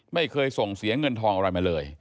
ไม่เคยส่งเสียเงินทองอะไรมาเลย